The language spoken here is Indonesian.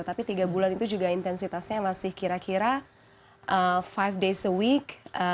tapi tiga bulan itu juga intensitasnya masih kira kira lima day sa week